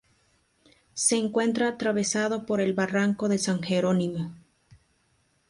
Se encuentra atravesado por el barranco de San Jerónimo.